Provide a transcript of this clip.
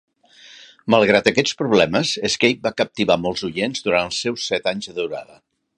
Malgrat aquests problemes, "Escape" va captivar molts oients durant els seus set anys de durada.